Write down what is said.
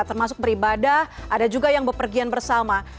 termasuk beribadah ada juga yang berpergian bersama